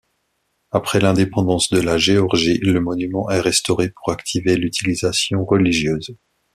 Après l'indépendance de la Géorgie, le monument est restauré pour activer l'utilisation religieuse.